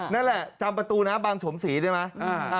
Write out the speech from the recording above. นั่นแหละจำประตูน้ำบางฉมศรีได้ไหม